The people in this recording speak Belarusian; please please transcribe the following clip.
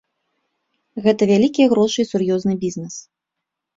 Гэта вялікія грошы і сур'ёзны бізнэс.